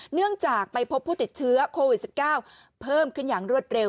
เนื่องจากไปพบผู้ติดเชื้อโควิด๑๙เพิ่มขึ้นอย่างรวดเร็ว